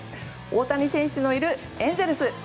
大谷選手のいるエンゼルス。